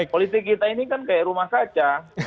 politik kita ini kan kayak rumah saja